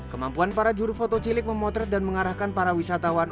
kemampuan para juru foto cilik memotret dan mengarahkan para wisatawan